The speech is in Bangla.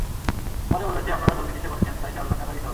পরে বলেছে, আপনারা ভুল চিকিৎসা করেছেন, তাই চার লাখ টাকা দিতে হবে।